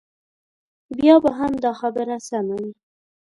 بیا به هم دا خبره سمه وي.